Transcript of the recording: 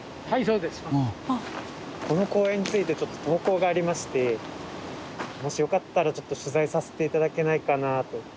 この公園についてちょっと投稿がありましてもしよかったらちょっと取材させて頂けないかなと。